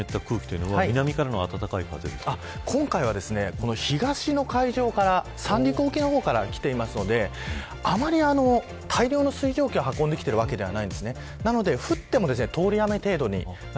入ってきている湿った空気というのは、南からの今回は東の海上から三陸沖の方からきていますのであまり大量の水蒸気を運んできているわけではないんですね。